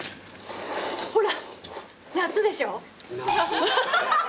ほら夏でしょ？